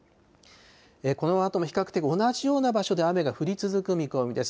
このあとも比較的同じような場所で雨が降り続く見込みです。